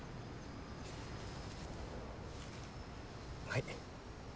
はい。